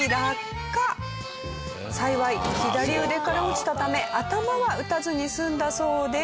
幸い左腕から落ちたため頭は打たずに済んだそうです。